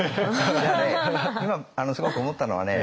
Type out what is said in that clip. いやね今すごく思ったのはね